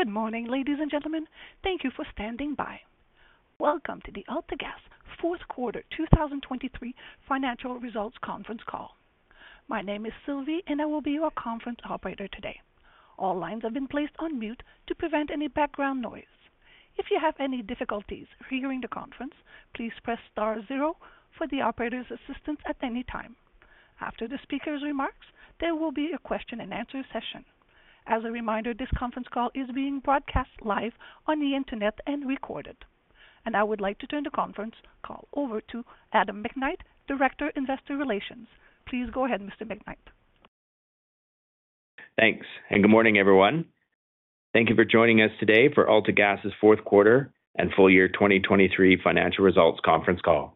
Good morning, ladies and gentlemen. Thank you for standing by. Welcome to the AltaGas Fourth Quarter 2023 Financial Results Conference Call. My name is Sylvie, and I will be your conference operator today. All lines have been placed on mute to prevent any background noise. If you have any difficulties hearing the conference, please press star zero for the operator's assistance at any time. After the speaker's remarks, there will be a question-and-answer session. As a reminder, this conference call is being broadcast live on the Internet and recorded. I would like to turn the conference call over to Adam McKnight, Director, Investor Relations. Please go ahead, Mr. McKnight. Thanks, and good morning, everyone. Thank you for joining us today for AltaGas's fourth quarter and full year 2023 financial results conference call.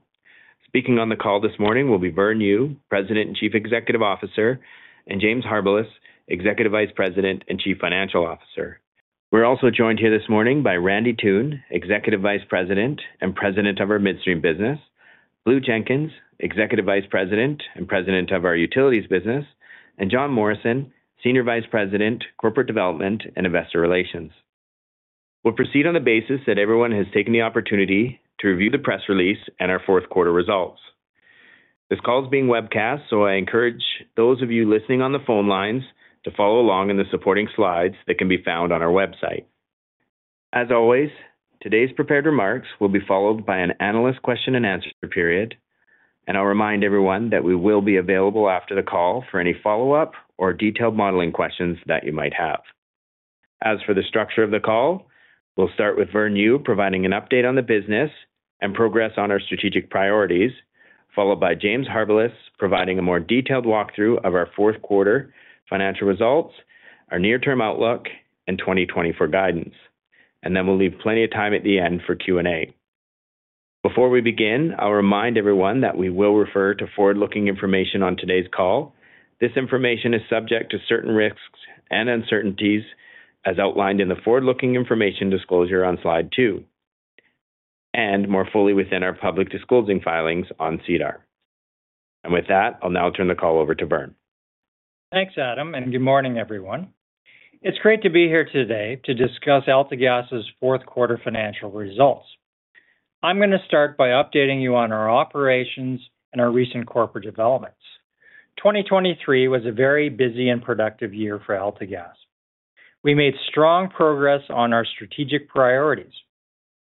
Speaking on the call this morning will be Vern Yu, President and Chief Executive Officer, and James Harbilas, Executive Vice President and Chief Financial Officer. We're also joined here this morning by Randy Toone, Executive Vice President and President of our Midstream business, Blue Jenkins, Executive Vice President and President of our Utilities business, and Jon Morrison, Senior Vice President, Corporate Development and Investor Relations. We'll proceed on the basis that everyone has taken the opportunity to review the press release and our fourth quarter results. This call is being webcast, so I encourage those of you listening on the phone lines to follow along in the supporting slides that can be found on our website. As always, today's prepared remarks will be followed by an analyst question-and-answer period, and I'll remind everyone that we will be available after the call for any follow-up or detailed modeling questions that you might have. As for the structure of the call, we'll start with Vern Yu providing an update on the business and progress on our strategic priorities, followed by James Harbilas providing a more detailed walkthrough of our fourth quarter financial results, our near-term outlook, and 2024 guidance. And then we'll leave plenty of time at the end for Q&A. Before we begin, I'll remind everyone that we will refer to forward-looking information on today's call. This information is subject to certain risks and uncertainties, as outlined in the forward-looking information disclosure on Slide two, and more fully within our public disclosure filings on SEDAR. And with that, I'll now turn the call over to Vern. Thanks, Adam, and good morning, everyone. It's great to be here today to discuss AltaGas's fourth-quarter financial results. I'm gonna start by updating you on our operations and our recent corporate developments. 2023 was a very busy and productive year for AltaGas. We made strong progress on our strategic priorities.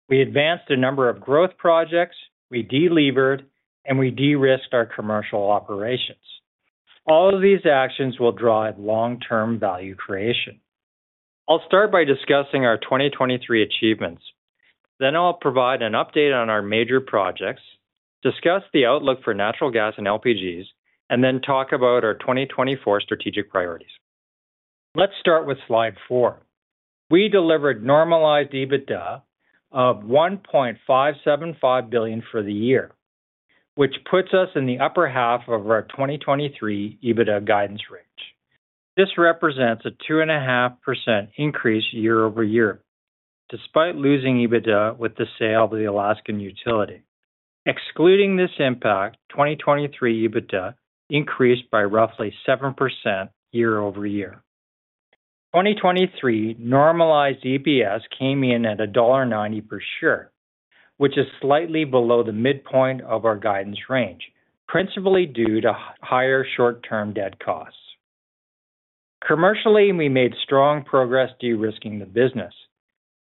We advanced a number of growth projects, we delevered, and we de-risked our commercial operations. All of these actions will drive long-term value creation. I'll start by discussing our 2023 achievements. Then I'll provide an update on our major projects, discuss the outlook for natural gas and LPGs, and then talk about our 2024 strategic priorities. Let's start with Slide 4. We delivered normalized EBITDA of 1.575 billion for the year, which puts us in the upper half of our 2023 EBITDA guidance range. This represents a 2.5% increase year-over-year, despite losing EBITDA with the sale of the Alaskan utility. Excluding this impact, 2023 EBITDA increased by roughly 7% year-over-year. 2023 normalized EPS came in at dollar 1.90 per share, which is slightly below the midpoint of our guidance range, principally due to higher short-term debt costs. Commercially, we made strong progress de-risking the business.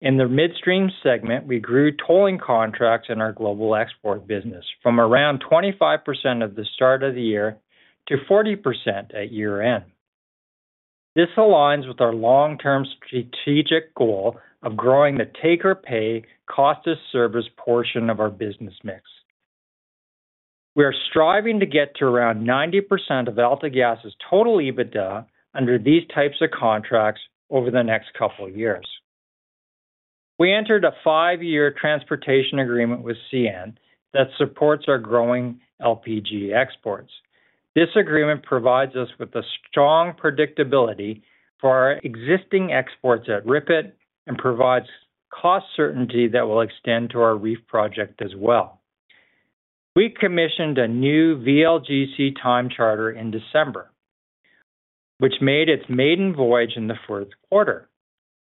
In the midstream segment, we grew tolling contracts in our global export business from around 25% at the start of the year to 40% at year-end. This aligns with our long-term strategic goal of growing the take-or-pay, cost-of-service portion of our business mix. We are striving to get to around 90% of AltaGas's total EBITDA under these types of contracts over the next couple of years. We entered a 5-year transportation agreement with CN that supports our growing LPG exports. This agreement provides us with a strong predictability for our existing exports at RIPET and provides cost certainty that will extend to our REEF project as well. We commissioned a new VLGC time charter in December, which made its maiden voyage in the fourth quarter,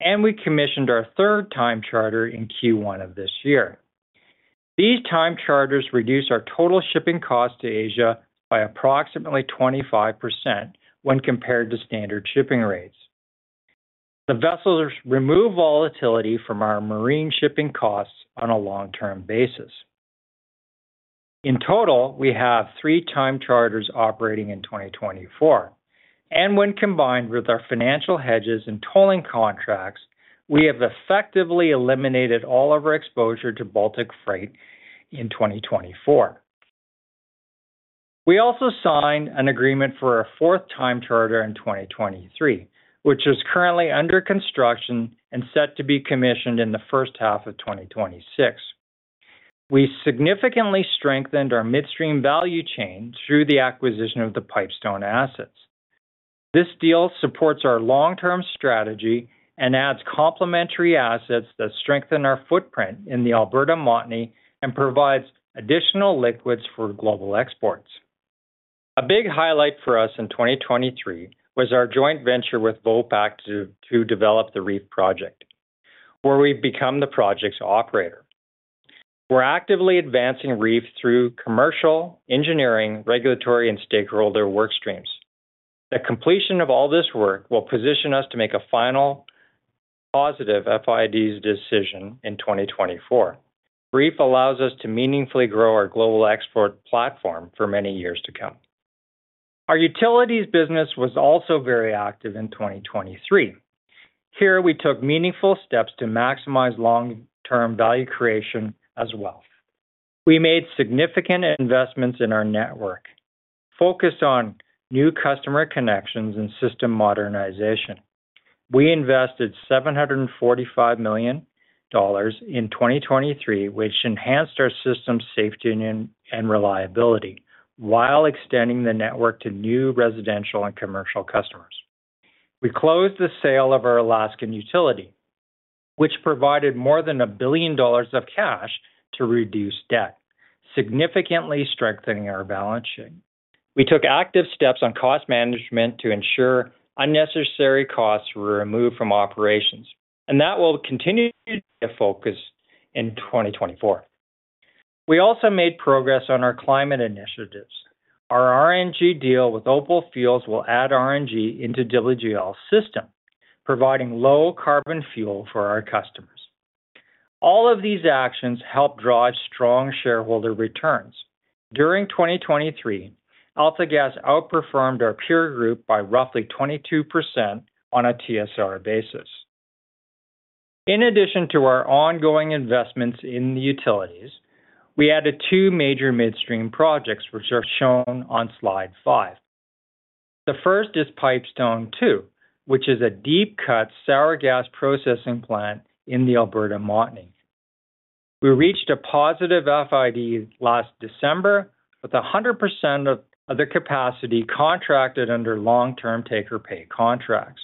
and we commissioned our third time charter in Q1 of this year. These time charters reduce our total shipping cost to Asia by approximately 25% when compared to standard shipping rates. The vessels remove volatility from our marine shipping costs on a long-term basis. In total, we have 3 time charters operating in 2024, and when combined with our financial hedges and tolling contracts, we have effectively eliminated all of our exposure to Baltic freight in 2024. We also signed an agreement for our fourth time charter in 2023, which is currently under construction and set to be commissioned in the first half of 2026. We significantly strengthened our midstream value chain through the acquisition of the Pipestone assets. This deal supports our long-term strategy and adds complementary assets that strengthen our footprint in the Alberta Montney and provides additional liquids for global exports.... A big highlight for us in 2023 was our joint venture with Vopak to develop the REEF project, where we've become the project's operator. We're actively advancing REEF through commercial, engineering, regulatory, and stakeholder work streams. The completion of all this work will position us to make a final positive FID decision in 2024. REEF allows us to meaningfully grow our global export platform for many years to come. Our utilities business was also very active in 2023. Here, we took meaningful steps to maximize long-term value creation as well. We made significant investments in our network, focused on new customer connections and system modernization. We invested $745 million in 2023, which enhanced our system's safety and reliability, while extending the network to new residential and commercial customers. We closed the sale of our Alaskan utility, which provided more than $1 billion of cash to reduce debt, significantly strengthening our balance sheet. We took active steps on cost management to ensure unnecessary costs were removed from operations, and that will continue to be a focus in 2024. We also made progress on our climate initiatives. Our RNG deal with OPAL Fuels will add RNG into WGL system, providing low carbon fuel for our customers. All of these actions help drive strong shareholder returns. During 2023, AltaGas outperformed our peer group by roughly 22% on a TSR basis. In addition to our ongoing investments in the utilities, we added 2 major midstream projects, which are shown on slide 5. The first is Pipestone II, which is a deep cut sour gas processing plant in the Alberta Montney. We reached a positive FID last December, with 100% of the capacity contracted under long-term take-or-pay contracts.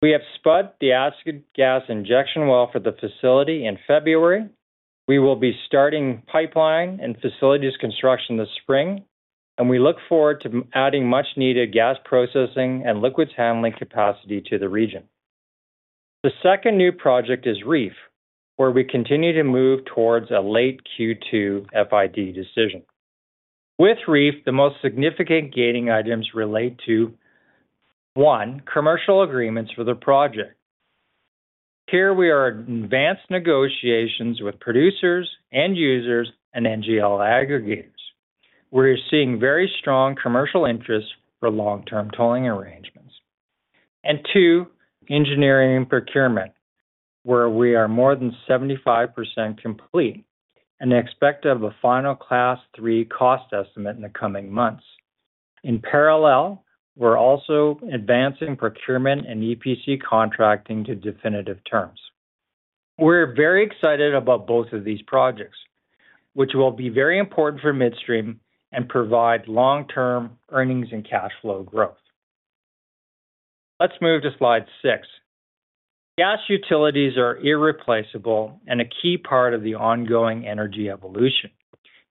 We have spud the acid gas injection well for the facility in February. We will be starting pipeline and facilities construction this spring, and we look forward to adding much-needed gas processing and liquids handling capacity to the region. The second new project is REEF, where we continue to move towards a late Q2 FID decision. With Reef, the most significant gating items relate to, one, commercial agreements for the project. Here, we are in advanced negotiations with producers and users and NGL aggregators. We're seeing very strong commercial interest for long-term tolling arrangements. And two, engineering and procurement, where we are more than 75% complete and expect a final Class 3 cost estimate in the coming months. In parallel, we're also advancing procurement and EPC contracting to definitive terms. We're very excited about both of these projects, which will be very important for midstream and provide long-term earnings and cash flow growth. Let's move to slide 6. Gas utilities are irreplaceable and a key part of the ongoing energy evolution.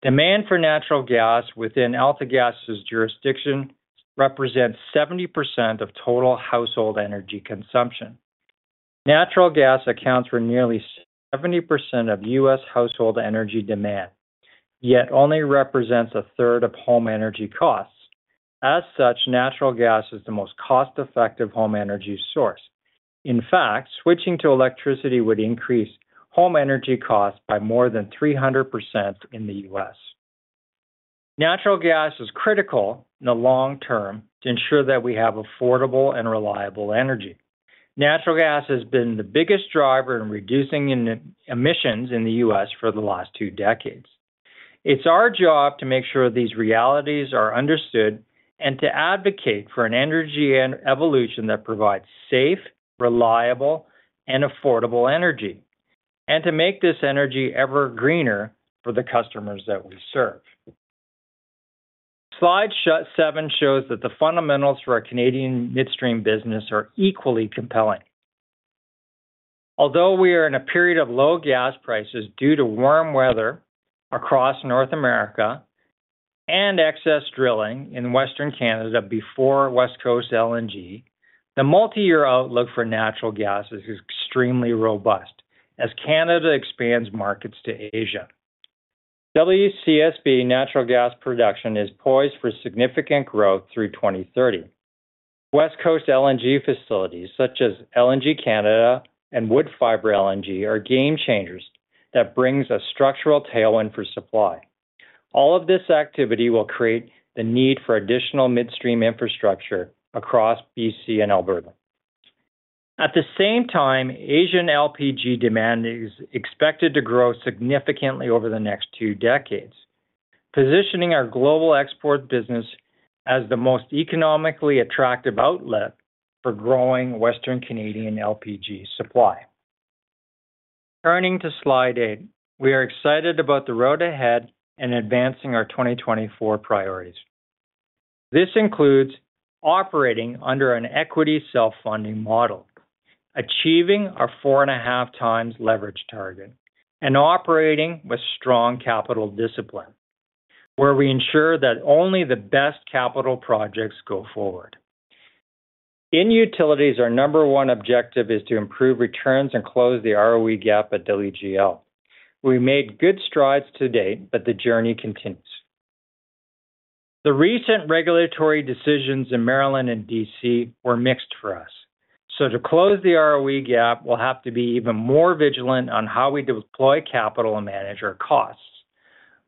Demand for natural gas within AltaGas's jurisdiction represents 70% of total household energy consumption. Natural gas accounts for nearly 70% of U.S. household energy demand, yet only represents a third of home energy costs. As such, natural gas is the most cost-effective home energy source. In fact, switching to electricity would increase home energy costs by more than 300% in the U.S. Natural gas is critical in the long term to ensure that we have affordable and reliable energy. Natural gas has been the biggest driver in reducing emissions in the U.S. for the last two decades. It's our job to make sure these realities are understood and to advocate for an energy and evolution that provides safe, reliable, and affordable energy, and to make this energy ever greener for the customers that we serve. Slide 7 shows that the fundamentals for our Canadian midstream business are equally compelling. Although we are in a period of low gas prices due to warm weather across North America and excess drilling in Western Canada before West Coast LNG, the multi-year outlook for natural gas is extremely robust as Canada expands markets to Asia. WCSB natural gas production is poised for significant growth through 2030. West Coast LNG facilities such as LNG Canada and Woodfibre LNG are game changers that brings a structural tailwind for supply. All of this activity will create the need for additional midstream infrastructure across BC and Alberta. At the same time, Asian LPG demand is expected to grow significantly over the next two decades, positioning our global export business as the most economically attractive outlet for growing Western Canadian LPG supply. Turning to slide 8, we are excited about the road ahead and advancing our 2024 priorities. This includes operating under an equity self-funding model, achieving our 4.5x leverage target and operating with strong capital discipline, where we ensure that only the best capital projects go forward. In utilities, our number one objective is to improve returns and close the ROE gap at WGL. We made good strides to date, but the journey continues. The recent regulatory decisions in Maryland and D.C. were mixed for us, so to close the ROE gap, we'll have to be even more vigilant on how we deploy capital and manage our costs.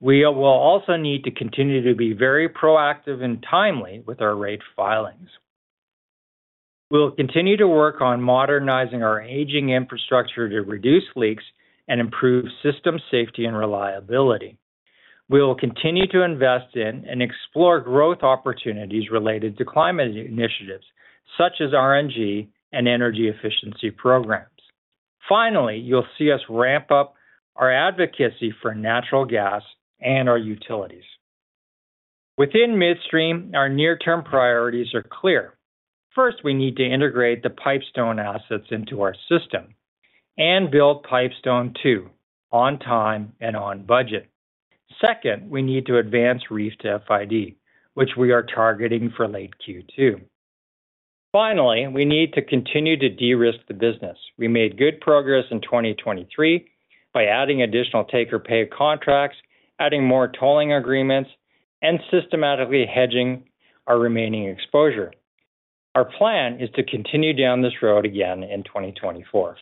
We will also need to continue to be very proactive and timely with our rate filings. We'll continue to work on modernizing our aging infrastructure to reduce leaks and improve system safety and reliability. We will continue to invest in and explore growth opportunities related to climate initiatives, such as RNG and energy efficiency programs. Finally, you'll see us ramp up our advocacy for natural gas and our utilities. Within Midstream, our near-term priorities are clear. First, we need to integrate the Pipestone assets into our system and build Pipestone II on time and on budget. Second, we need to advance REEF to FID, which we are targeting for late Q2. Finally, we need to continue to de-risk the business. We made good progress in 2023 by adding additional take-or-pay contracts, adding more tolling agreements, and systematically hedging our remaining exposure. Our plan is to continue down this road again in 2024.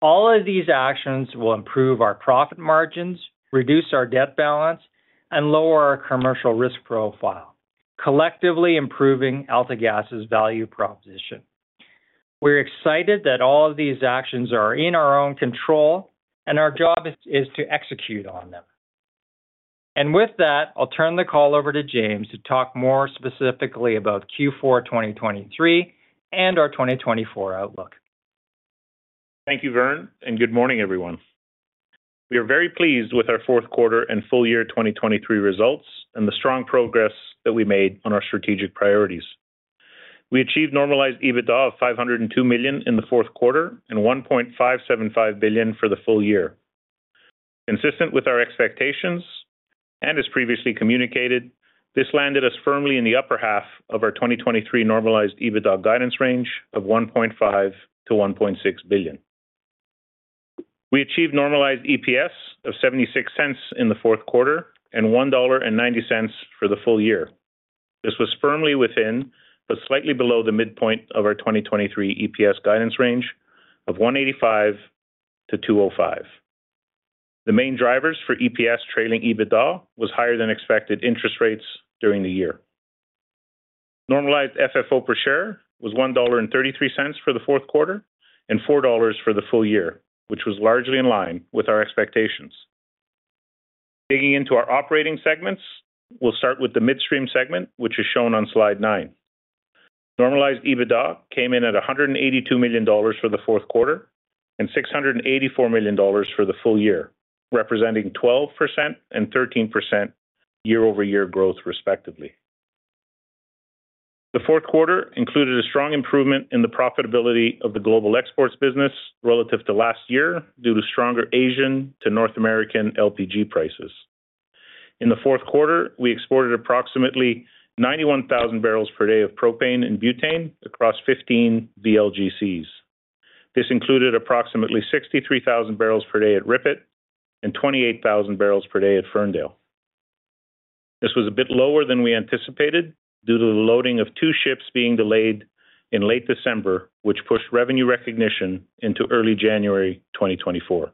All of these actions will improve our profit margins, reduce our debt balance, and lower our commercial risk profile, collectively improving AltaGas's value proposition. We're excited that all of these actions are in our own control, and our job is to execute on them. With that, I'll turn the call over to James to talk more specifically about Q4 2023 and our 2024 outlook. Thank you, Vern, and good morning, everyone. We are very pleased with our fourth quarter and full year 2023 results and the strong progress that we made on our strategic priorities. We achieved normalized EBITDA of 502 million in the fourth quarter and 1.575 billion for the full year. Consistent with our expectations, and as previously communicated, this landed us firmly in the upper half of our 2023 normalized EBITDA guidance range of 1.5 billion-1.6 billion. We achieved normalized EPS of 0.76 in the fourth quarter and 1.90 dollar for the full year. This was firmly within, but slightly below the midpoint of our 2023 EPS guidance range of 1.85-2.05. The main drivers for EPS trailing EBITDA was higher than expected interest rates during the year. Normalized FFO per share was 1.33 dollar for the fourth quarter and 4 dollars for the full year, which was largely in line with our expectations. Digging into our operating segments, we'll start with the Midstream segment, which is shown on slide 9. Normalized EBITDA came in at 182 million dollars for the fourth quarter and 684 million dollars for the full year, representing 12% and 13% year-over-year growth, respectively. The fourth quarter included a strong improvement in the profitability of the global exports business relative to last year, due to stronger Asian to North American LPG prices. In the fourth quarter, we exported approximately 91,000 barrels per day of propane and butane across 15 VLGCs. This included approximately 63,000 barrels per day at RIPET and 28,000 barrels per day at Ferndale. This was a bit lower than we anticipated due to the loading of two ships being delayed in late December, which pushed revenue recognition into early January 2024.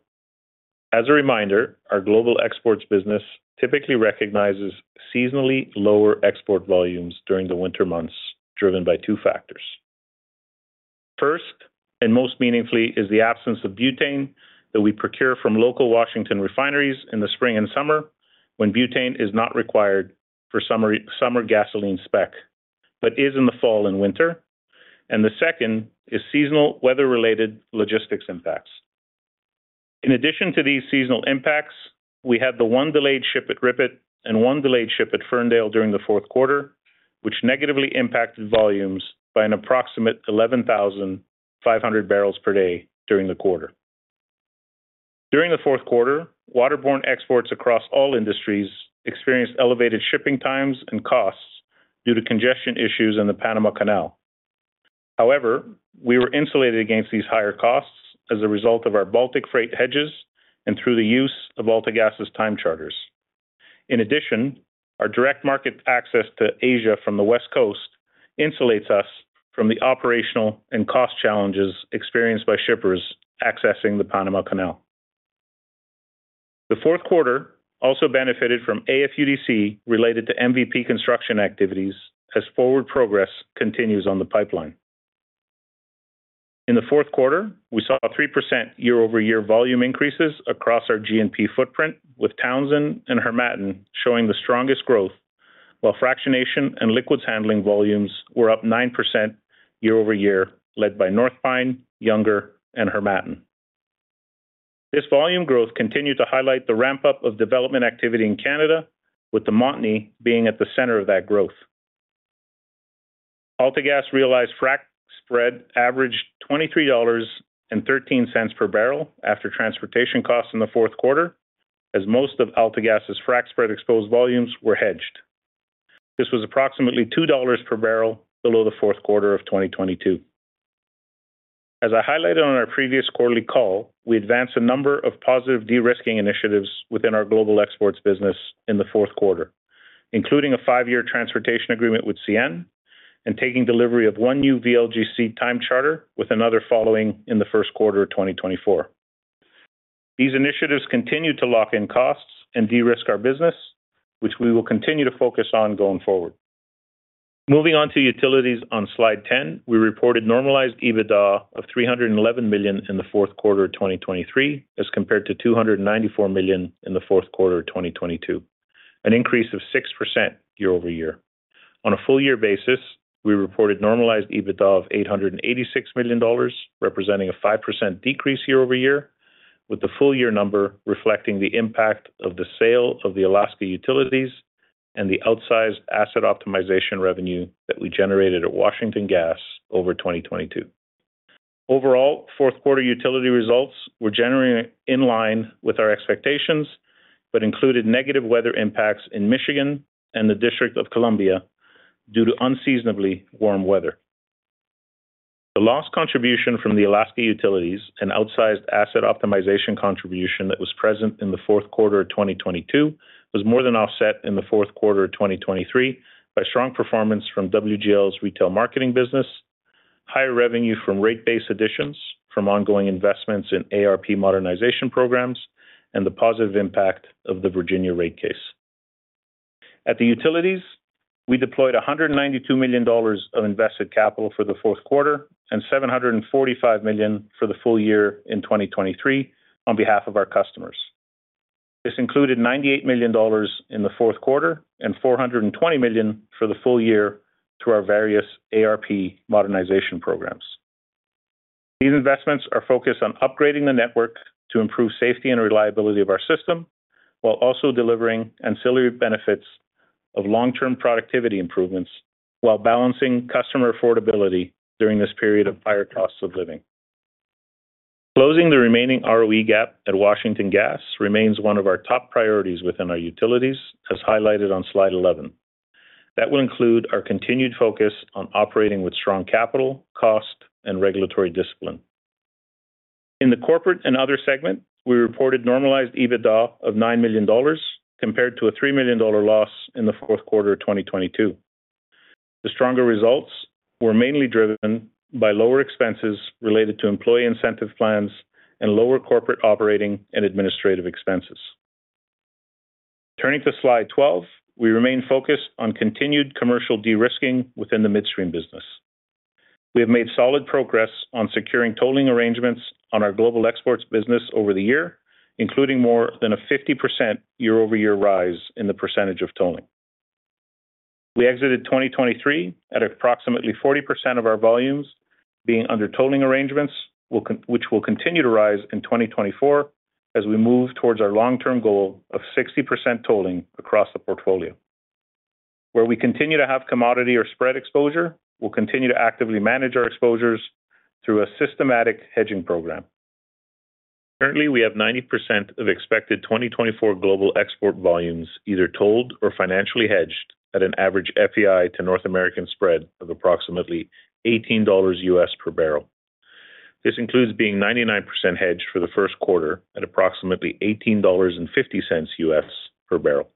As a reminder, our global exports business typically recognizes seasonally lower export volumes during the winter months, driven by two factors. First, and most meaningfully, is the absence of butane that we procure from local Washington refineries in the spring and summer, when butane is not required for summer gasoline spec, but is in the fall and winter. The second is seasonal weather-related logistics impacts. In addition to these seasonal impacts, we had the one delayed ship at RIPET and one delayed ship at Ferndale during the fourth quarter, which negatively impacted volumes by an approximate 11,500 barrels per day during the quarter. During the fourth quarter, waterborne exports across all industries experienced elevated shipping times and costs due to congestion issues in the Panama Canal. However, we were insulated against these higher costs as a result of our Baltic freight hedges and through the use of AltaGas's time charters. In addition, our direct market access to Asia from the West Coast insulates us from the operational and cost challenges experienced by shippers accessing the Panama Canal. The fourth quarter also benefited from AFUDC related to MVP construction activities as forward progress continues on the pipeline. In the fourth quarter, we saw a 3% year-over-year volume increases across our G&P footprint, with Townsend and Harmattan showing the strongest growth, while fractionation and liquids handling volumes were up 9% year-over-year, led by North Pine, Younger, and Harmattan. This volume growth continued to highlight the ramp-up of development activity in Canada, with the Montney being at the center of that growth. AltaGas realized frac spread averaged $23.13 per barrel after transportation costs in the fourth quarter, as most of AltaGas' frac spread exposed volumes were hedged. This was approximately $2 per barrel below the fourth quarter of 2022. As I highlighted on our previous quarterly call, we advanced a number of positive de-risking initiatives within our global exports business in the fourth quarter, including a 5-year transportation agreement with CN and taking delivery of 1 new VLGC time charter, with another following in the first quarter of 2024. These initiatives continue to lock in costs and de-risk our business, which we will continue to focus on going forward. Moving on to utilities on slide 10, we reported normalized EBITDA of 311 million in the fourth quarter of 2023, as compared to 294 million in the fourth quarter of 2022, an increase of 6% year-over-year. On a full year basis, we reported normalized EBITDA of 886 million dollars, representing a 5% decrease year-over-year, with the full year number reflecting the impact of the sale of the Alaska utilities and the outsized asset optimization revenue that we generated at Washington Gas over 2022. Overall, fourth quarter utility results were generally in line with our expectations, but included negative weather impacts in Michigan and the District of Columbia due to unseasonably warm weather. The lost contribution from the Alaska utilities and outsized asset optimization contribution that was present in the fourth quarter of 2022, was more than offset in the fourth quarter of 2023 by strong performance from WGL's retail marketing business, higher revenue from rate base additions from ongoing investments in ARP modernization programs, and the positive impact of the Virginia rate case. At the utilities, we deployed 192 million dollars of invested capital for the fourth quarter and 745 million for the full year in 2023 on behalf of our customers. This included 98 million dollars in the fourth quarter and 420 million for the full year through our various ARP modernization programs. These investments are focused on upgrading the network to improve safety and reliability of our system, while also delivering ancillary benefits of long-term productivity improvements, while balancing customer affordability during this period of higher costs of living. Closing the remaining ROE gap at Washington Gas remains one of our top priorities within our utilities, as highlighted on Slide 11. That will include our continued focus on operating with strong capital, cost, and regulatory discipline. In the corporate and other segment, we reported normalized EBITDA of 9 million dollars compared to a 3 million dollar loss in the fourth quarter of 2022. The stronger results were mainly driven by lower expenses related to employee incentive plans and lower corporate operating and administrative expenses. Turning to Slide 12, we remain focused on continued commercial de-risking within the midstream business. We have made solid progress on securing tolling arrangements on our global exports business over the year, including more than a 50% year-over-year rise in the percentage of tolling. We exited 2023 at approximately 40% of our volumes being under tolling arrangements, which will continue to rise in 2024 as we move towards our long-term goal of 60% tolling across the portfolio. Where we continue to have commodity or spread exposure, we'll continue to actively manage our exposures through a systematic hedging program. Currently, we have 90% of expected 2024 global export volumes, either tolled or financially hedged at an average FEI to North American spread of approximately $18 per barrel. This includes being 99% hedged for the first quarter at approximately $18.50 per barrel.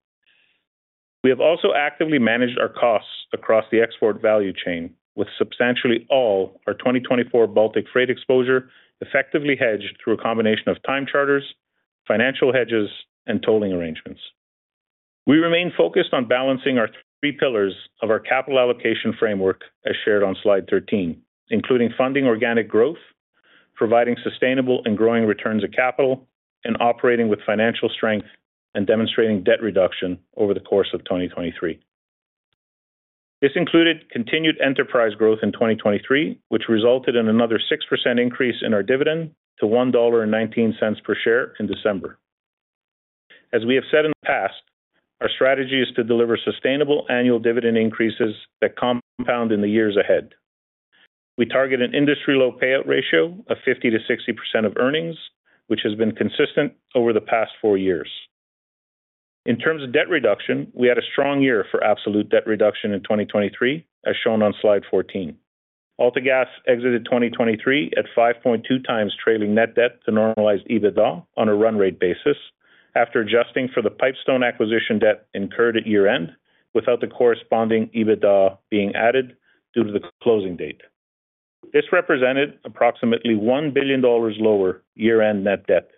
We have also actively managed our costs across the export value chain, with substantially all our 2024 Baltic freight exposure effectively hedged through a combination of time charters, financial hedges, and tolling arrangements. We remain focused on balancing our three pillars of our capital allocation framework, as shared on slide 13, including funding organic growth, providing sustainable and growing returns of capital, and operating with financial strength and demonstrating debt reduction over the course of 2023. This included continued enterprise growth in 2023, which resulted in another 6% increase in our dividend to 1.19 dollar per share in December. As we have said in the past, our strategy is to deliver sustainable annual dividend increases that compound in the years ahead. We target an industry-low payout ratio of 50%-60% of earnings, which has been consistent over the past four years. In terms of debt reduction, we had a strong year for absolute debt reduction in 2023, as shown on slide 14. AltaGas exited 2023 at 5.2x trailing net debt to normalized EBITDA on a run rate basis. After adjusting for the Pipestone acquisition debt incurred at year-end, without the corresponding EBITDA being added due to the closing date. This represented approximately 1 billion dollars lower year-end net debt.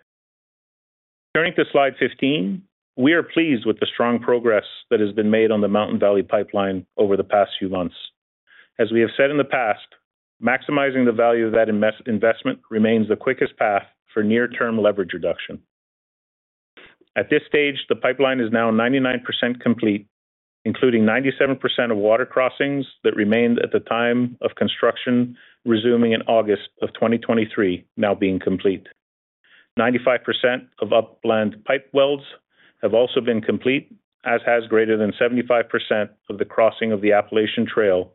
Turning to Slide 15, we are pleased with the strong progress that has been made on the Mountain Valley Pipeline over the past few months. As we have said in the past, maximizing the value of that investment remains the quickest path for near-term leverage reduction. At this stage, the pipeline is now 99% complete, including 97% of water crossings that remained at the time of construction, resuming in August of 2023, now being complete. 95% of upland pipe welds have also been complete, as has greater than 75% of the crossing of the Appalachian Trail,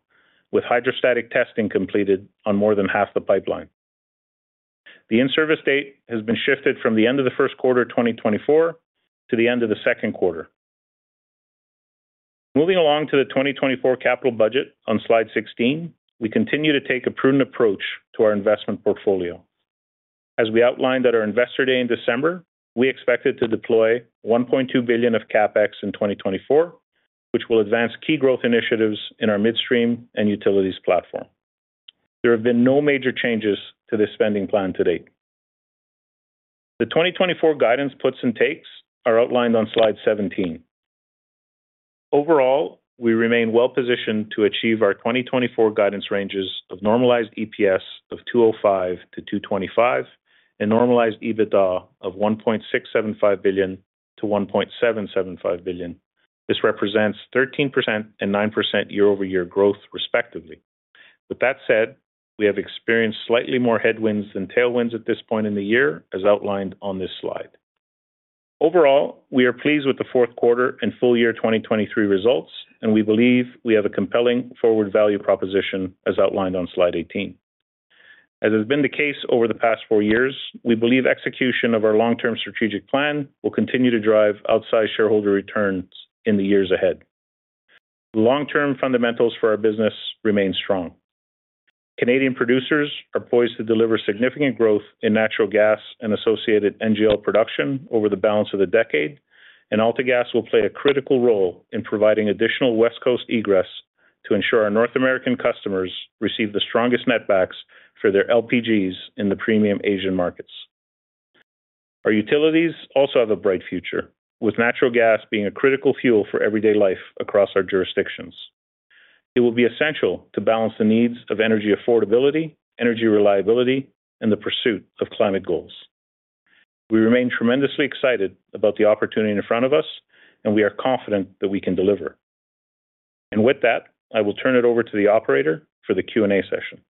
with hydrostatic testing completed on more than half the pipeline. The in-service date has been shifted from the end of the first quarter 2024 to the end of the second quarter. Moving along to the 2024 capital budget on slide 16, we continue to take a prudent approach to our investment portfolio. As we outlined at our Investor Day in December, we expected to deploy 1.2 billion of CapEx in 2024, which will advance key growth initiatives in our midstream and utilities platform. There have been no major changes to this spending plan to date. The 2024 guidance puts and takes are outlined on slide 17. Overall, we remain well-positioned to achieve our 2024 guidance ranges of normalized EPS of 2.05-2.25, and normalized EBITDA of 1.675 billion-1.775 billion. This represents 13% and 9% year-over-year growth, respectively. With that said, we have experienced slightly more headwinds than tailwinds at this point in the year, as outlined on this slide. Overall, we are pleased with the fourth quarter and full year 2023 results, and we believe we have a compelling forward value proposition, as outlined on slide 18. As has been the case over the past four years, we believe execution of our long-term strategic plan will continue to drive outsized shareholder returns in the years ahead. Long-term fundamentals for our business remain strong. Canadian producers are poised to deliver significant growth in natural gas and associated NGL production over the balance of the decade, and AltaGas will play a critical role in providing additional West Coast egress to ensure our North American customers receive the strongest netbacks for their LPGs in the premium Asian markets. Our utilities also have a bright future, with natural gas being a critical fuel for everyday life across our jurisdictions. It will be essential to balance the needs of energy affordability, energy reliability, and the pursuit of climate goals. We remain tremendously excited about the opportunity in front of us, and we are confident that we can deliver. With that, I will turn it over to the operator for the Q&A session.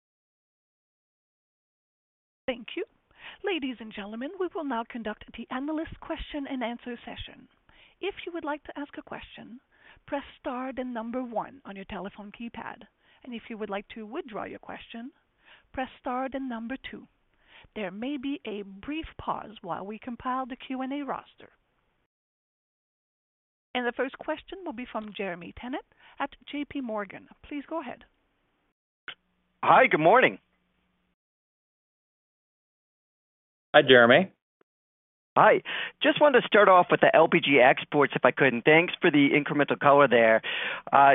Thank you. Ladies and gentlemen, we will now conduct the analyst question-and-answer session. If you would like to ask a question, press star, then number one on your telephone keypad, and if you would like to withdraw your question, press star, then number two. There may be a brief pause while we compile the Q&A roster. The first question will be from Jeremy Tonet at JP Morgan. Please go ahead. Hi, good morning. Hi, Jeremy. Hi. Just wanted to start off with the LPG exports, if I could. Thanks for the incremental color there.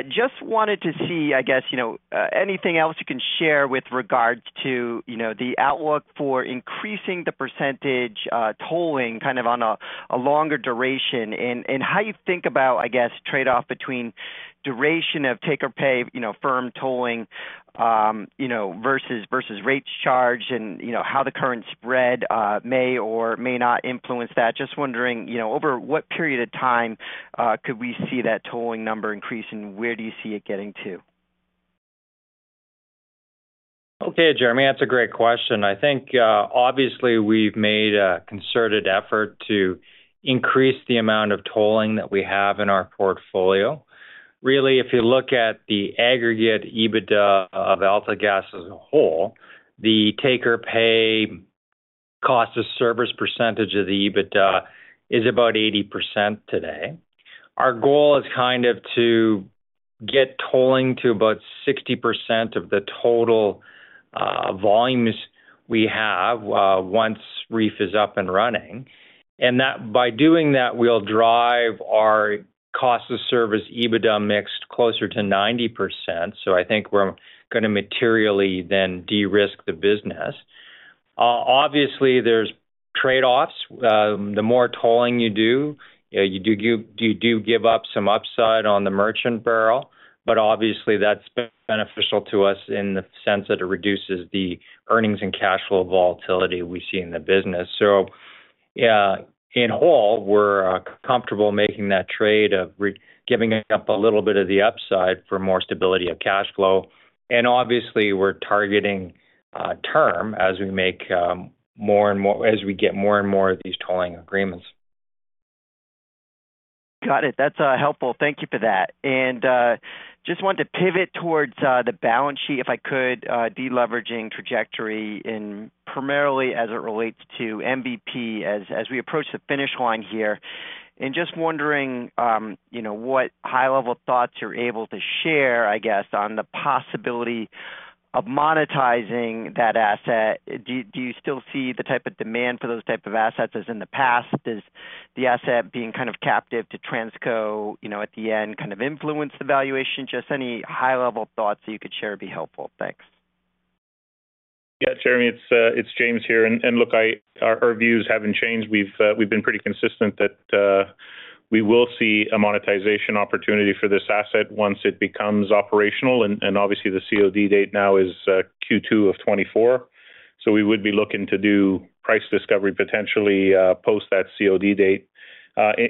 Just wanted to see, I guess, you know, anything else you can share with regards to, you know, the outlook for increasing the percentage, tolling kind of on a, a longer duration, and, and how you think about, I guess, trade-off between duration of take or pay, you know, firm tolling, you know, versus, versus rates charged and, you know, how the current spread, may or may not influence that. Just wondering, you know, over what period of time, could we see that tolling number increase, and where do you see it getting to? Okay, Jeremy, that's a great question. I think, obviously we've made a concerted effort to increase the amount of tolling that we have in our portfolio. Really, if you look at the aggregate EBITDA of AltaGas as a whole, the take or pay cost of service percentage of the EBITDA is about 80% today. Our goal is kind of to get tolling to about 60% of the total, volumes we have, once REEF is up and running. And that, by doing that, we'll drive our cost of service EBITDA mix closer to 90%. So I think we're gonna materially then de-risk the business. Obviously, there's trade-offs. The more tolling you do, you do give up some upside on the merchant barrel, but obviously, that's beneficial to us in the sense that it reduces the earnings and cash flow volatility we see in the business. So, in whole, we're comfortable making that trade of giving up a little bit of the upside for more stability of cash flow. And obviously, we're targeting term as we make more and more—as we get more and more of these tolling agreements. Got it. That's helpful. Thank you for that. And just want to pivot towards the balance sheet, if I could, deleveraging trajectory, and primarily as it relates to MVP as we approach the finish line here. And just wondering, you know, what high-level thoughts you're able to share, I guess, on the possibility of monetizing that asset. Do you still see the type of demand for those type of assets as in the past? Does the asset being kind of captive to Transco, you know, at the end, kind of influence the valuation? Just any high-level thoughts you could share would be helpful. Thanks. Yeah, Jeremy, it's James here. And look, our views haven't changed. We've been pretty consistent that we will see a monetization opportunity for this asset once it becomes operational. And obviously the COD date now is Q2 of 2024. So we would be looking to do price discovery potentially post that COD date.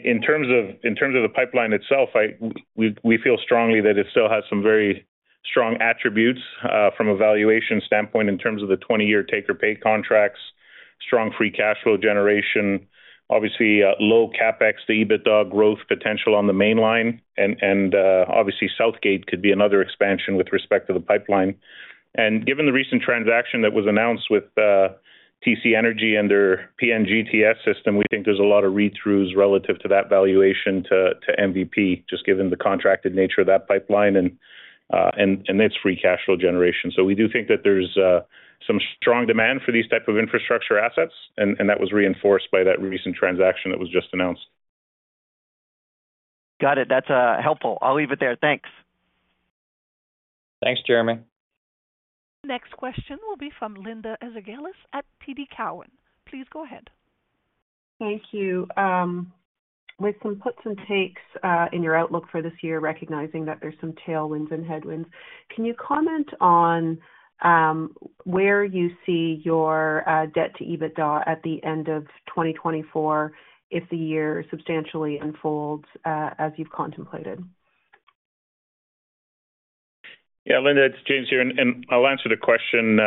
In terms of the pipeline itself, we feel strongly that it still has some very strong attributes from a valuation standpoint, in terms of the 20-year take-or-pay contracts, strong free cash flow generation, obviously low CapEx, the EBITDA growth potential on the Mainline and obviously Southgate could be another expansion with respect to the pipeline. And given the recent transaction that was announced with TC Energy and their PNGTS system, we think there's a lot of read-throughs relative to that valuation to, to MVP, just given the contracted nature of that pipeline and, and, and its free cash flow generation. So we do think that there's some strong demand for these type of infrastructure assets, and, and that was reinforced by that recent transaction that was just announced. Got it. That's helpful. I'll leave it there. Thanks. Thanks, Jeremy. Next question will be from Linda Ezergailis at TD Cowen. Please go ahead. Thank you. With some puts and takes in your outlook for this year, recognizing that there's some tailwinds and headwinds, can you comment on where you see your debt to EBITDA at the end of 2024, if the year substantially unfolds as you've contemplated? Yeah, Linda, it's James here, and I'll answer the question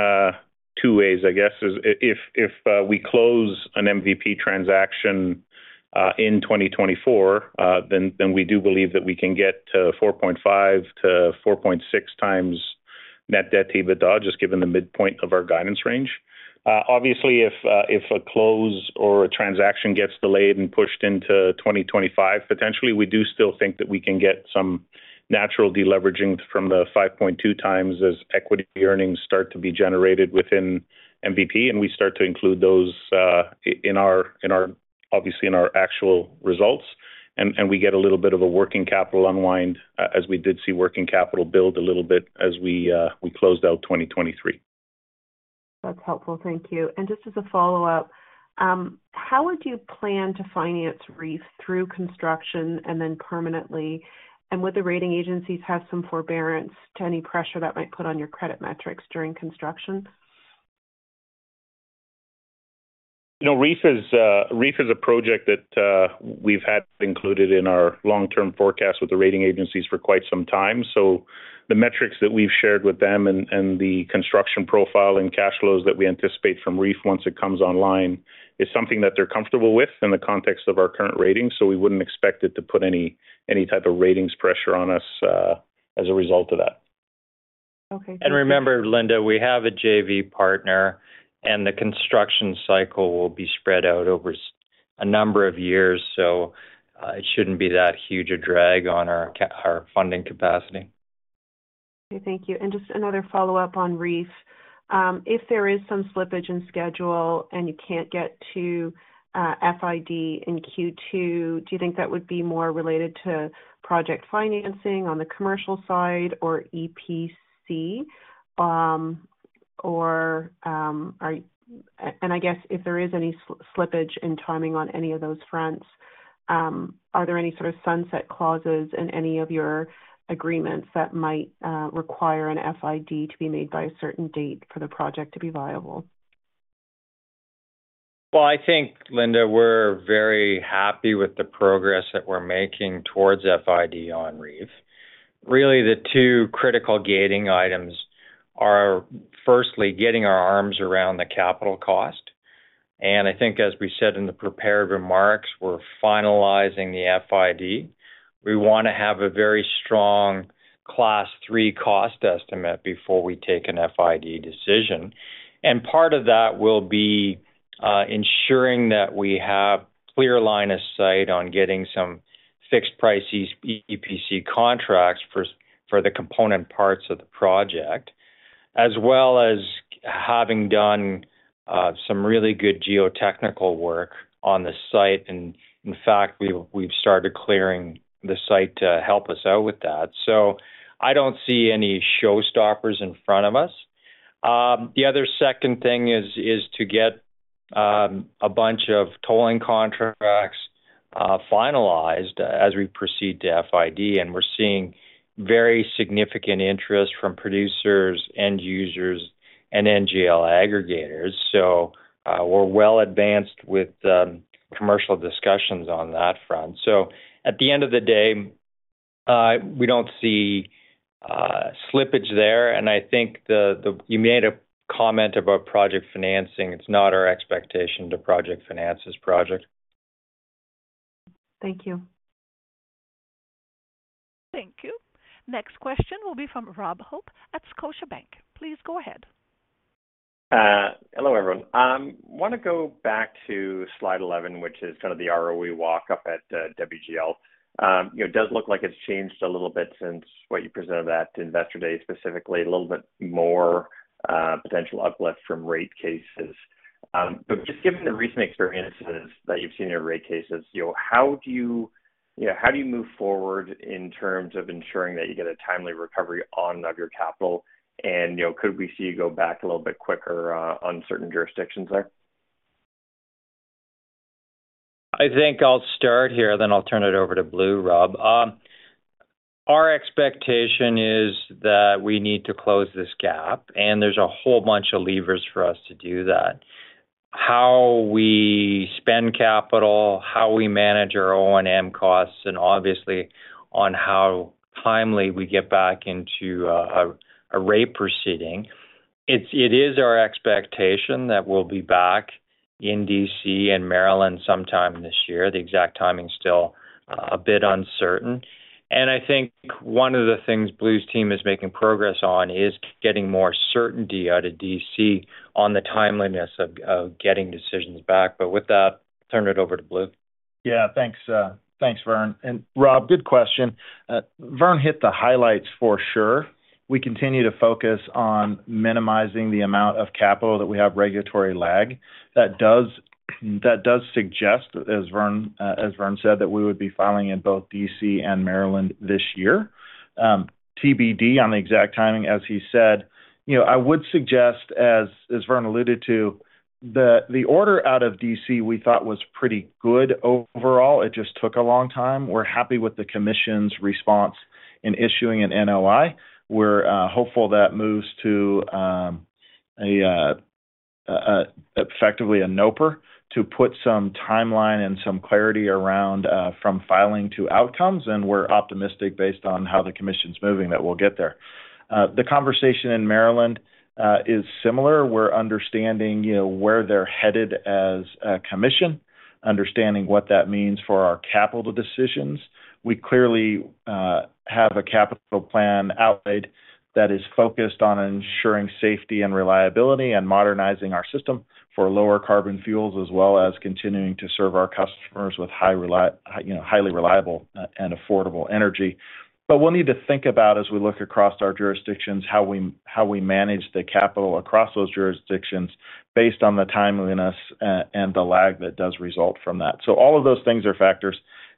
two ways, I guess. If we close an MVP transaction in 2024, then we do believe that we can get to 4.5-4.6x net debt to EBITDA, just given the midpoint of our guidance range. Obviously, if a close or a transaction gets delayed and pushed into 2025, potentially, we do still think that we can get some natural deleveraging from the 5.2x as equity earnings start to be generated within MVP, and we start to include those in our actual results. And we get a little bit of a working capital unwind, as we did see working capital build a little bit as we closed out 2023. That's helpful. Thank you. Just as a follow-up, how would you plan to finance REEF through construction and then permanently? And would the rating agencies have some forbearance to any pressure that might put on your credit metrics during construction? You know, REEF is a project that we've had included in our long-term forecast with the rating agencies for quite some time. So the metrics that we've shared with them and the construction profile and cash flows that we anticipate from REEF once it comes online is something that they're comfortable with in the context of our current ratings. So we wouldn't expect it to put any type of ratings pressure on us as a result of that. Okay. Remember, Linda, we have a JV partner, and the construction cycle will be spread out over a number of years, so it shouldn't be that huge a drag on our funding capacity. Okay, thank you. And just another follow-up on REEF. If there is some slippage in schedule and you can't get to FID in Q2, do you think that would be more related to project financing on the commercial side or EPC? Or, I guess if there is any slippage in timing on any of those fronts, are there any sort of sunset clauses in any of your agreements that might require an FID to be made by a certain date for the project to be viable? Well, I think, Linda, we're very happy with the progress that we're making towards FID on REEF. Really, the two critical gating items are, firstly, getting our arms around the capital cost, and I think as we said in the prepared remarks, we're finalizing the FID. We want to have a very strong class 3 cost estimate before we take an FID decision. And part of that will be ensuring that we have clear line of sight on getting some fixed price EPC contracts for the component parts of the project, as well as having done some really good geotechnical work on the site. And in fact, we've started clearing the site to help us out with that. So I don't see any showstopper in front of us. The other second thing is to get a bunch of tolling contracts finalized as we proceed to FID, and we're seeing very significant interest from producers, end users, and NGL aggregators. So, we're well advanced with commercial discussions on that front. So at the end of the day, we don't see slippage there, and I think you made a comment about project financing. It's not our expectation to project finance this project. Thank you. Thank you. Next question will be from Rob Hope at Scotiabank. Please go ahead. Hello, everyone. I want to go back to slide 11, which is sort of the ROE walk up at WGL. You know, it does look like it's changed a little bit since what you presented at Investor Day, specifically a little bit more potential uplift from rate cases. But just given the recent experiences that you've seen in your rate cases, you know, how do you. You know, how do you move forward in terms of ensuring that you get a timely recovery on your capital? And, you know, could we see you go back a little bit quicker on certain jurisdictions there? I think I'll start here, then I'll turn it over to Blue, Rob. Our expectation is that we need to close this gap, and there's a whole bunch of levers for us to do that. How we spend capital, how we manage our O&M costs, and obviously on how timely we get back into a rate proceeding. It is our expectation that we'll be back in D.C. and Maryland sometime this year. The exact timing is still a bit uncertain. And I think one of the things Blue's team is making progress on is getting more certainty out of D.C. on the timeliness of getting decisions back. But with that, turn it over to Blue. Yeah, thanks, thanks, Vern. Rob, good question. Vern hit the highlights for sure. We continue to focus on minimizing the amount of capital that we have regulatory lag. That does suggest, as Vern said, that we would be filing in both D.C. and Maryland this year. TBD on the exact timing, as he said. You know, I would suggest, as Vern alluded to, the order out of D.C., we thought was pretty good overall, it just took a long time. We're happy with the commission's response in issuing an NOI. We're hopeful that moves to effectively a NOPR to put some timeline and some clarity around from filing to outcomes, and we're optimistic, based on how the commission's moving, that we'll get there. The conversation in Maryland is similar. We're understanding, you know, where they're headed as a commission, understanding what that means for our capital decisions. We clearly have a capital plan outlaid that is focused on ensuring safety and reliability and modernizing our system for lower carbon fuels, as well as continuing to serve our customers with high reli-- you know, highly reliable and affordable energy. But we'll need to think about, as we look across our jurisdictions, how we, how we manage the capital across those jurisdictions based on the timeliness and the lag that does result from that. So all of those things are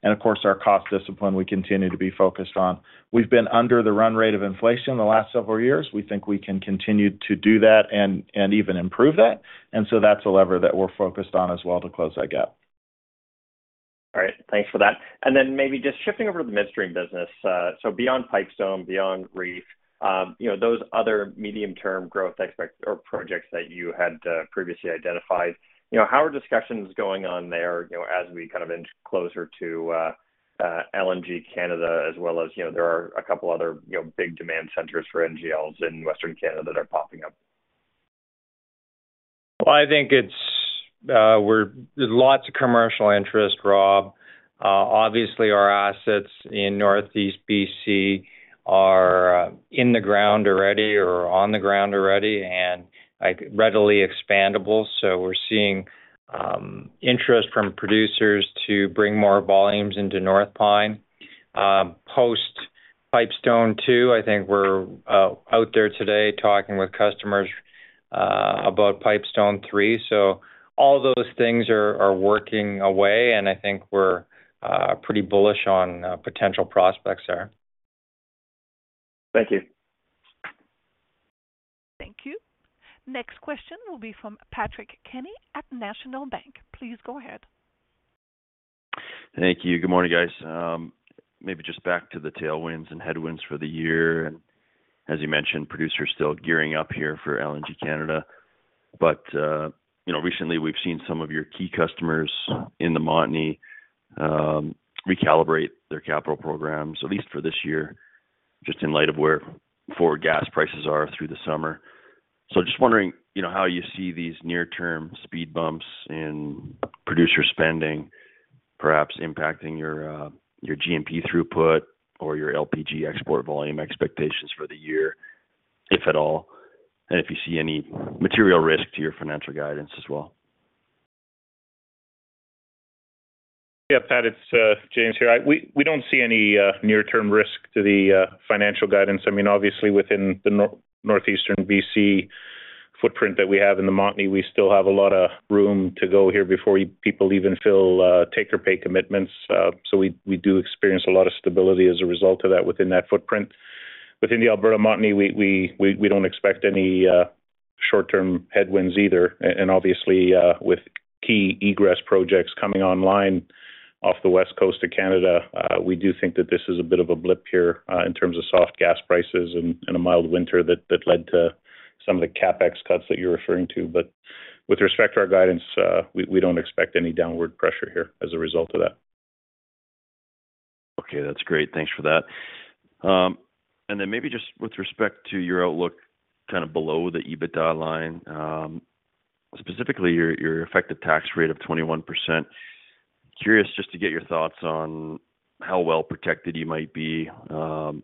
factors, and of course, our cost discipline, we continue to be focused on. We've been under the run rate of inflation in the last several years. We think we can continue to do that and even improve that, and so that's a lever that we're focused on as well to close that gap. All right, thanks for that. And then maybe just shifting over to the midstream business. So beyond Pipestone, beyond REEF, you know, those other medium-term growth expected projects that you had previously identified. You know, how are discussions going on there, you know, as we inch closer to LNG Canada, as well as, you know, there are a couple other big demand centers for NGLs in Western Canada that are popping up? Well, I think it's. There's lots of commercial interest, Rob. Obviously, our assets in Northeast BC are in the ground already or on the ground already and, like, readily expandable. So we're seeing interest from producers to bring more volumes into North Pine. post-Pipestone II, I think we're out there today talking with customers about Pipestone III. So all those things are working away, and I think we're pretty bullish on potential prospects there. Thank you. Thank you. Next question will be from Patrick Kenny at National Bank. Please go ahead. Thank you. Good morning, guys. Maybe just back to the tailwinds and headwinds for the year. And as you mentioned, producers still gearing up here for LNG Canada. But, you know, recently we've seen some of your key customers in the Montney, recalibrate their capital programs, at least for this year, just in light of where forward gas prices are through the summer. So just wondering, you know, how you see these near-term speed bumps in producer spending, perhaps impacting your, your G&P throughput or your LPG export volume expectations for the year, if at all, and if you see any material risk to your financial guidance as well. Yeah, Pat, it's James here. We don't see any near-term risk to the financial guidance. I mean, obviously within the Northeastern BC footprint that we have in the Montney, we still have a lot of room to go here before people even fill take or pay commitments. So we do experience a lot of stability as a result of that within that footprint. Within the Alberta Montney, we don't expect any short-term headwinds either. And obviously, with key egress projects coming online off the West Coast of Canada, we do think that this is a bit of a blip here in terms of soft gas prices and a mild winter that led to some of the CapEx cuts that you're referring to. But with respect to our guidance, we don't expect any downward pressure here as a result of that. Okay, that's great. Thanks for that. And then maybe just with respect to your outlook, kind of below the EBITDA line, specifically your, your effective tax rate of 21%. Curious just to get your thoughts on how well protected you might be, at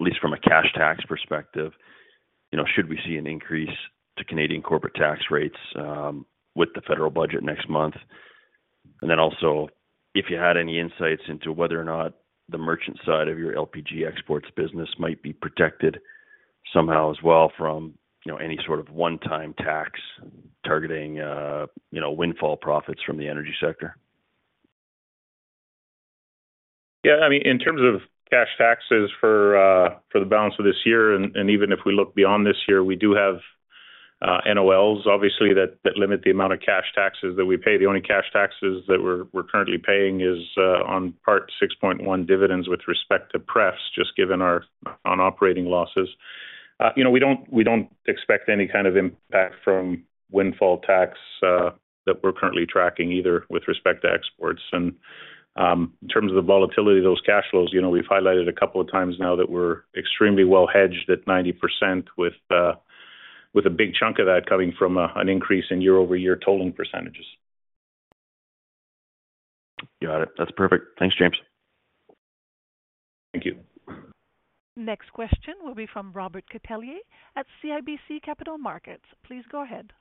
least from a cash tax perspective, you know, should we see an increase to Canadian corporate tax rates, with the federal budget next month? And then also, if you had any insights into whether or not the merchant side of your LPG exports business might be protected somehow as well from, you know, any sort of one-time tax targeting, you know, windfall profits from the energy sector? Yeah, I mean, in terms of cash taxes for, for the balance of this year, and, and even if we look beyond this year, we do have, NOLs, obviously, that, that limit the amount of cash taxes that we pay. The only cash taxes that we're currently paying is, on Part VI.1 dividends with respect to prefs, just given our non-operating losses. You know, we don't expect any kind of impact from windfall tax, that we're currently tracking either with respect to exports. And, in terms of the volatility of those cash flows, you know, we've highlighted a couple of times now that we're extremely well hedged at 90% with, with a big chunk of that coming from, an increase in year-over-year tolling percentages. You got it. That's perfect. Thanks, James. Thank you. Next question will be from Robert Catellier at CIBC Capital Markets. Please go ahead.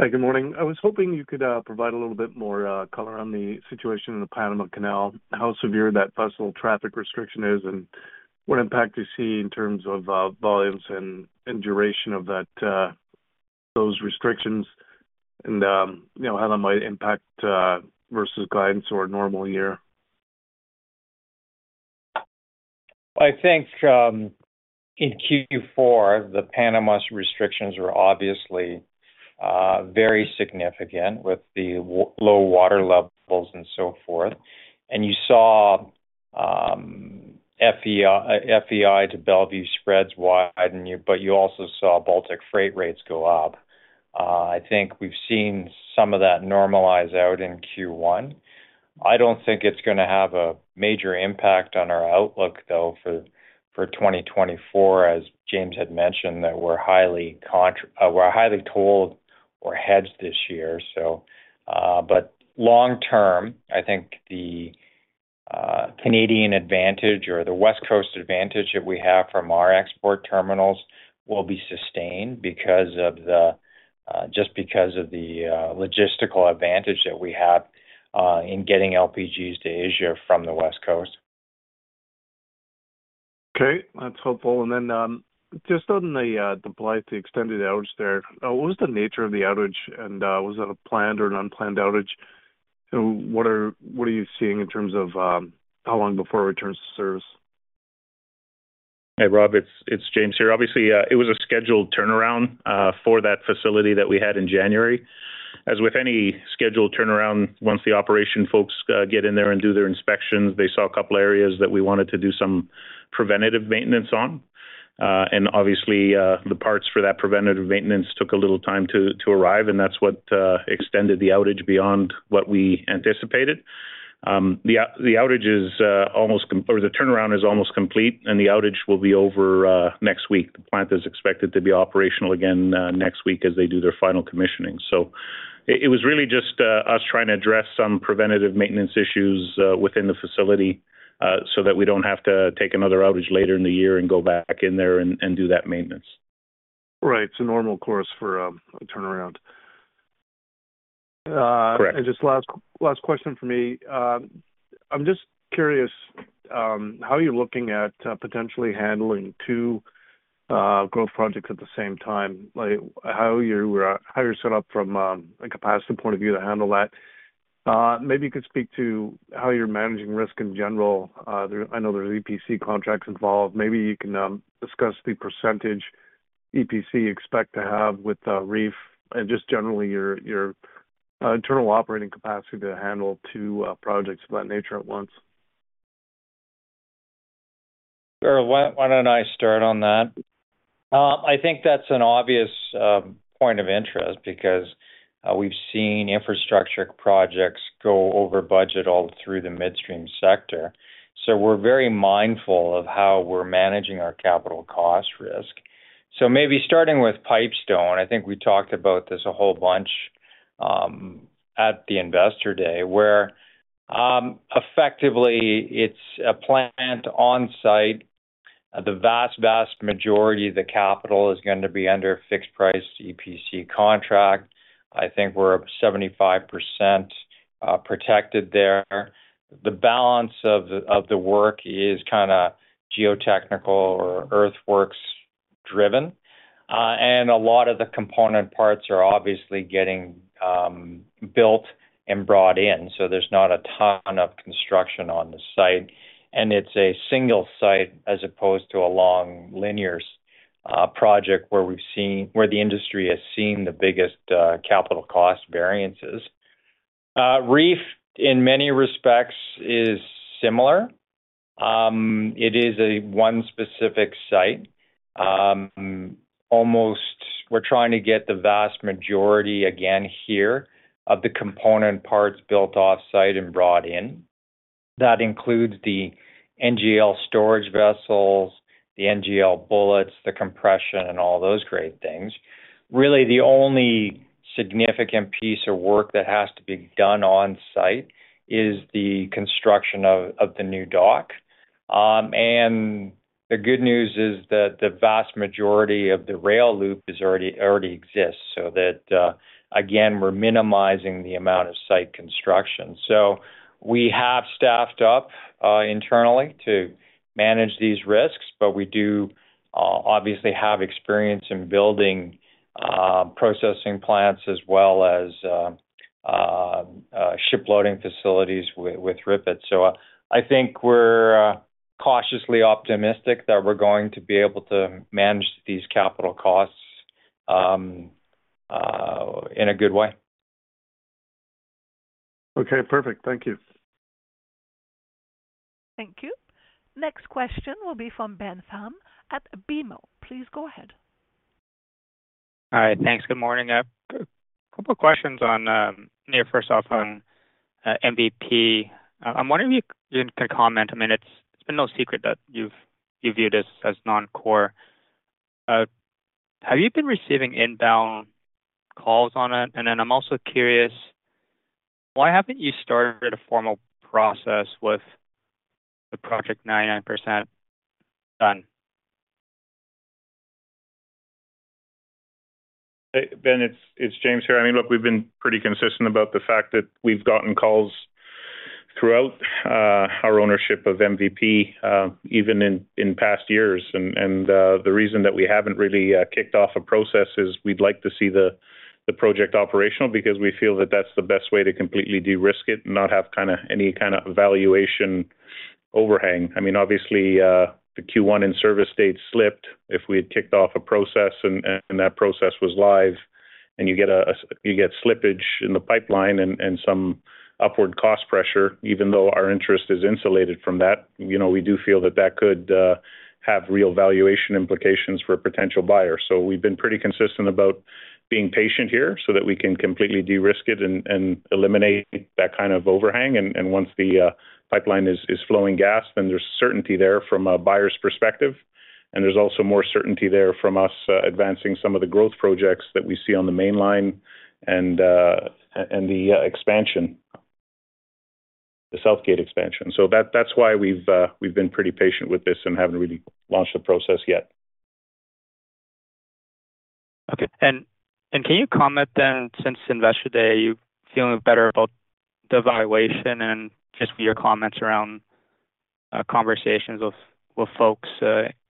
Hi, good morning. I was hoping you could provide a little bit more color on the situation in the Panama Canal, how severe that vessel traffic restriction is, and what impact you see in terms of volumes and, and duration of that those restrictions, and you know, how that might impact versus guidance or a normal year? I think, in Q4, the Panama Canal's restrictions were obviously very significant with the low water levels and so forth. And you saw, FEI to Mont Belvieu spreads widen, but you also saw Baltic freight rates go up. I think we've seen some of that normalize out in Q1. I don't think it's gonna have a major impact on our outlook, though, for 2024, as James had mentioned, that we're highly tolled or hedged this year, so, but long term, I think the Canadian advantage or the West Coast advantage that we have from our export terminals will be sustained because of the just because of the logistical advantage that we have in getting LPGs to Asia from the West Coast. Okay. That's helpful. And then, just on the Blair, the extended outage there, what was the nature of the outage, and was it a planned or an unplanned outage? And what are you seeing in terms of how long before it returns to service? Hey, Rob, it's James here. Obviously, it was a scheduled turnaround for that facility that we had in January. As with any scheduled turnaround, once the operation folks get in there and do their inspections, they saw a couple of areas that we wanted to do some preventative maintenance on. And obviously, the parts for that preventative maintenance took a little time to arrive, and that's what extended the outage beyond what we anticipated. The outage is almost complete, or the turnaround is almost complete, and the outage will be over next week. The plant is expected to be operational again next week as they do their final commissioning. So it was really just us trying to address some preventative maintenance issues within the facility, so that we don't have to take another outage later in the year and go back in there and do that maintenance. Right. It's a normal course for a turnaround. Uh, correct. Just last question for me. I'm just curious how you're looking at potentially handling two growth projects at the same time? Like, how you're set up from a capacity point of view to handle that. Maybe you could speak to how you're managing risk in general. I know there's EPC contracts involved. Maybe you can discuss the percentage EPC expect to have with REEF and just generally your internal operating capacity to handle two projects of that nature at once. Sure. Why, why don't I start on that? I think that's an obvious point of interest because we've seen infrastructure projects go over budget all through the midstream sector. So we're very mindful of how we're managing our capital cost risk. So maybe starting with Pipestone, I think we talked about this a whole bunch at the Investor Day, where effectively it's a plant on-site. The vast, vast majority of the capital is going to be under a fixed-price EPC contract. I think we're 75% protected there. The balance of the work is kinda geotechnical or earthworks driven, and a lot of the component parts are obviously getting built and brought in, so there's not a ton of construction on the site, and it's a single site as opposed to a long linear project, where the industry has seen the biggest capital cost variances. REEF, in many respects, is similar. It is a one specific site. Almost we're trying to get the vast majority, again here, of the component parts built off-site and brought in. That includes the NGL storage vessels, the NGL bullets, the compression, and all those great things. Really, the only significant piece of work that has to be done on-site is the construction of the new dock. And the good news is that the vast majority of the rail loop is already, already exists, so that again, we're minimizing the amount of site construction. So we have staffed up internally to manage these risks, but we do obviously have experience in building processing plants as well as ship loading facilities with, with RIPET. So I think we're cautiously optimistic that we're going to be able to manage these capital costs in a good way. Okay, perfect. Thank you. Thank you. Next question will be from Ben Pham at BMO. Please go ahead. Hi. Thanks. Good morning. I have a couple of questions on, you know, first off, on, MVP. I'm wondering if you can comment. I mean, it's been no secret that you view this as non-core. Have you been receiving inbound calls on it? And then I'm also curious, why haven't you started a formal process with the project 99% done? Hey, Ben, it's James here. I mean, look, we've been pretty consistent about the fact that we've gotten calls throughout our ownership of MVP, even in past years. And the reason that we haven't really kicked off a process is we'd like to see the project operational, because we feel that that's the best way to completely de-risk it and not have kind of any kind of valuation overhang. I mean, obviously, the Q1 in service date slipped. If we had kicked off a process and that process was live, and you get a slippage in the pipeline and some upward cost pressure, even though our interest is insulated from that, you know, we do feel that that could have real valuation implications for a potential buyer. So we've been pretty consistent about being patient here so that we can completely de-risk it and eliminate that kind of overhang. And once the pipeline is flowing gas, then there's certainty there from a buyer's perspective, and there's also more certainty there from us advancing some of the growth projects that we see on the Mainline and the expansion, the Southgate expansion. So that's why we've been pretty patient with this and haven't really launched the process yet. Okay. And can you comment then, since Investor Day, you're feeling better about the valuation and just your comments around conversations with folks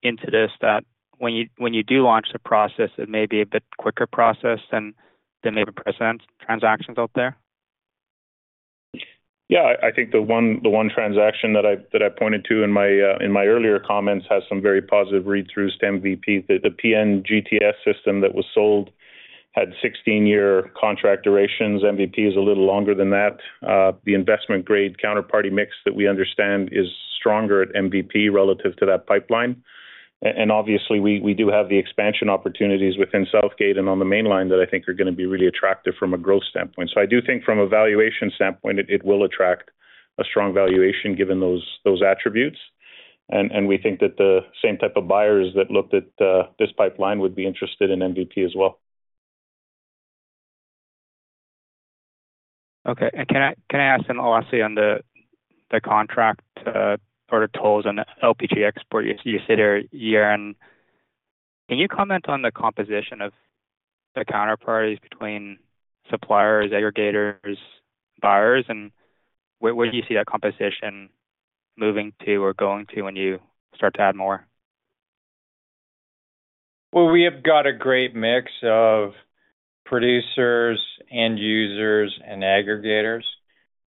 into this, that when you do launch the process, it may be a bit quicker process than maybe present transactions out there? Yeah, I think the one transaction that I pointed to in my earlier comments has some very positive read-throughs to MVP. The PNGTS system that was sold had 16-year contract durations. MVP is a little longer than that. The investment-grade counterparty mix that we understand is stronger at MVP relative to that pipeline. And obviously, we do have the expansion opportunities within Southgate and on the Mainline that I think are gonna be really attractive from a growth standpoint. So I do think from a valuation standpoint, it will attract a strong valuation, given those attributes. And we think that the same type of buyers that looked at this pipeline would be interested in MVP as well. Okay. And can I, can I ask then, lastly, on the, the contract or the tolls on the LPG export you said a year on. Can you comment on the composition of the counterparties between suppliers, aggregators, buyers, and where, where do you see that composition moving to or going to when you start to add more? Well, we have got a great mix of producers, end users, and aggregators.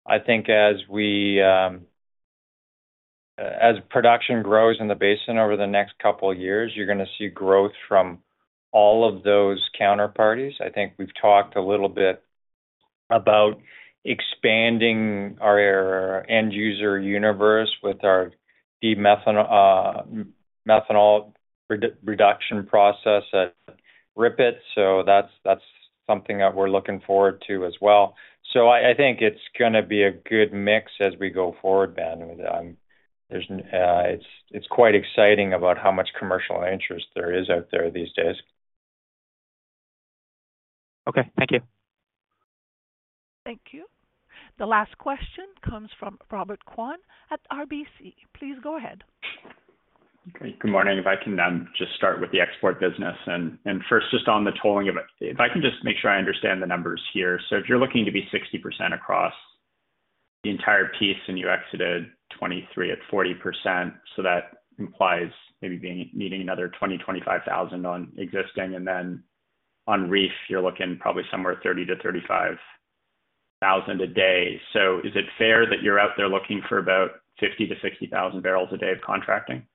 I think as we, as production grows in the basin over the next couple of years, you're gonna see growth from all of those counterparties. I think we've talked a little bit about expanding our end user universe with our demethanization process at RIPET, so that's something that we're looking forward to as well. So I think it's gonna be a good mix as we go forward, Ben. There's, it's quite exciting about how much commercial interest there is out there these days. Okay. Thank you. Thank you. The last question comes from Robert Kwan at RBC. Please go ahead. Good morning. If I can then just start with the export business, and first, just on the tolling of it. If I can just make sure I understand the numbers here. So if you're looking to be 60% across the entire piece, and you exited 2023 at 40%, so that implies maybe needing another 20,000-25,000 on existing. And then on REEF, you're looking probably somewhere 30,000-35,000 a day. So is it fair that you're out there looking for about 50,000-60,000 barrels a day of contracting?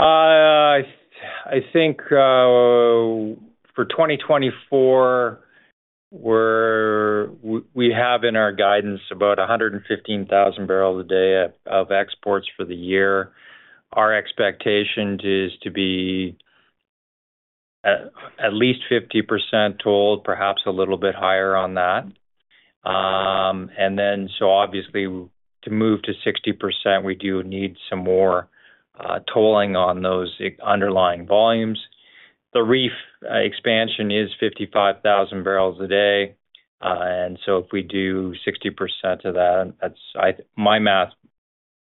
I think for 2024, we have in our guidance about 115,000 barrels a day of exports for the year. Our expectation is to be at least 50% tolled, perhaps a little bit higher on that. So obviously, to move to 60%, we do need some more tolling on those underlying volumes. The REEF expansion is 55,000 barrels a day. And so if we do 60% of that, that's my math,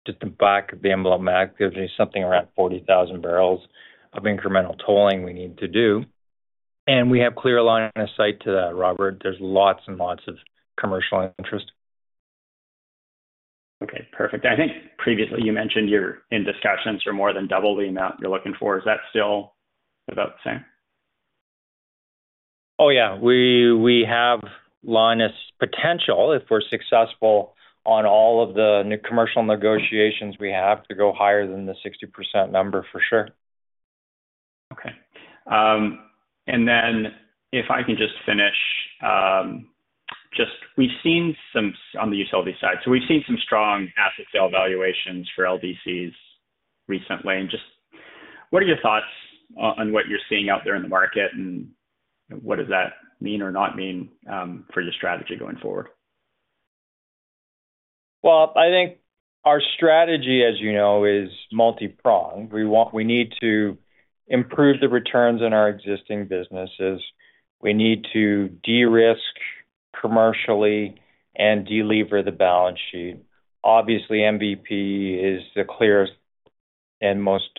just the back of the envelope math, gives me something around 40,000 barrels of incremental tolling we need to do, and we have clear line of sight to that, Robert. There's lots and lots of commercial interest. Perfect. I think previously you mentioned you're in discussions for more than double the amount you're looking for. Is that still about the same? Oh, yeah, we, we have line of potential if we're successful on all of the new commercial negotiations. We have to go higher than the 60% number, for sure. Okay. And then if I can just finish, just we've seen some on the utility side. So we've seen some strong asset sale valuations for LDCs recently, and just what are your thoughts on, on what you're seeing out there in the market, and what does that mean or not mean, for your strategy going forward? Well, I think our strategy, as you know, is multi-pronged. We need to improve the returns on our existing businesses. We need to de-risk commercially and delever the balance sheet. Obviously, MVP is the clearest and most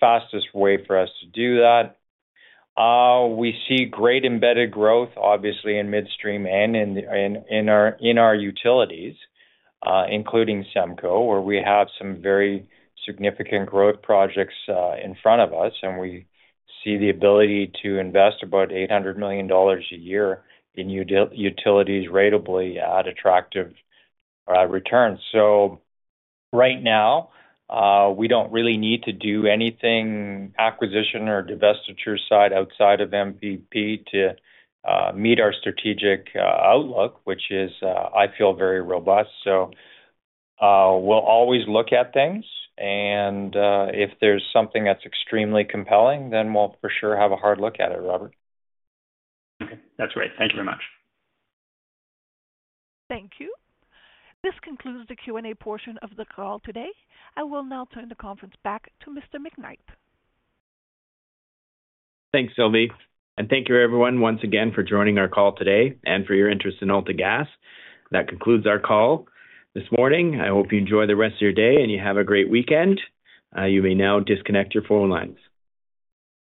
fastest way for us to do that. We see great embedded growth, obviously, in midstream and in our utilities, including SEMCO, where we have some very significant growth projects in front of us, and we see the ability to invest about 800 million dollars a year in utilities ratably at attractive returns. So right now, we don't really need to do anything, acquisition or divestiture side outside of MVP to meet our strategic outlook, which is, I feel very robust. We'll always look at things and if there's something that's extremely compelling, then we'll for sure have a hard look at it, Robert. Okay. That's great. Thank you very much. Thank you. This concludes the Q&A portion of the call today. I will now turn the conference back to Mr. McKnight. Thanks, Sylvie, and thank you, everyone, once again for joining our call today and for your interest in AltaGas. That concludes our call this morning. I hope you enjoy the rest of your day, and you have a great weekend. You may now disconnect your phone lines.